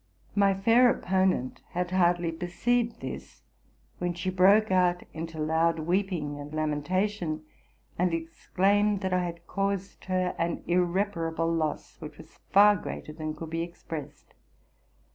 My fair opponent had hardly perceived this, when she broke out into loud weeping and lamentation, and exclaimed that I had caused her an irreparable loss, which was far greater than could be expressed.